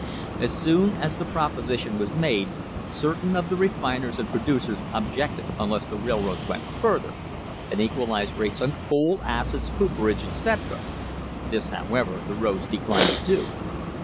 As soon as the proposition was made, certain of the refiners and producers objected unless the railroads went further and equalised rates on coal, acids, cooperage, etc. This, however, the roads declined to do.